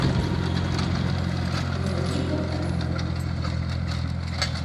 O meu equipo, tamén.